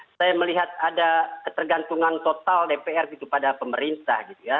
justru saya melihat ada ketergantungan total dpr pada pemerintah